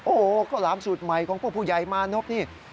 โอ้โหข้าวหลามสูตรใหม่ของพวกผู้ใหญ่มานพนี่